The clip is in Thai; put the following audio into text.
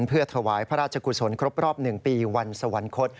เพื่อถวายพระราชกุศลครบรอบ๑ปีวันสวรรคต